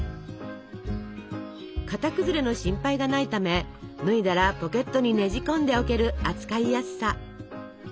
形崩れの心配がないため脱いだらポケットにねじ込んでおける扱いやすさ。